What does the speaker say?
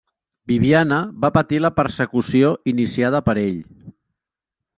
Bibiana va patir la persecució iniciada per ell.